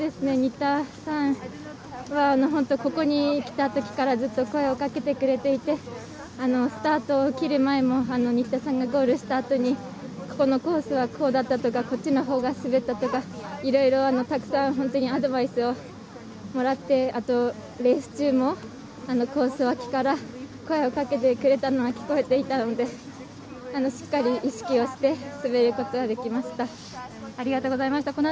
新田さんはここに来たときからずっと声をかけてくれていてスタートを切る前も新田さんがゴールしたあとにここのコースはこうだったとかこっちのほうが滑ったとかいろいろ、たくさんアドバイスをもらってあと、レース中もコース脇から声をかけてくれたのが聞こえていたのでしっかり意識をして滑ることができました。